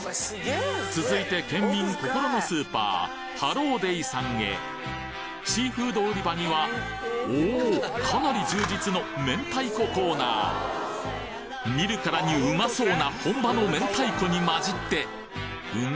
続いてケンミン心のスーパーハローデイさんへシーフード売り場にはおおかなり充実の明太子コーナー見るからにウマそうな本場の明太子に混じってん？